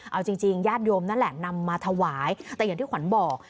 เอาจริงญาติโยมนั่นแหละนำมาถวายแต่อย่างที่ขวัญบอก